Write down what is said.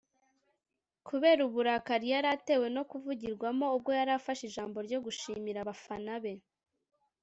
kubera uburakari yari atewe no kuvugirwamo ubwo yari afashe ijambo ryo gushimira abafana be